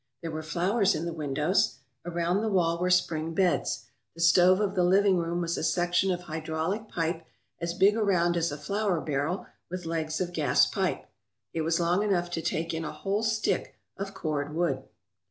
There were flowers in the windows. Around the wall were spring beds. The stove of the living room was a section of hydraulic pipe as big around as a flour barrel with legs of gas pipe. It was long enough to take in a whole stick of cord wood.